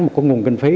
một nguồn kinh phí